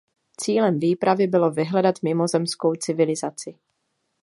Cílem výpravy bylo vyhledat mimozemskou civilizaci.